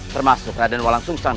termasuk radenol langsung selesai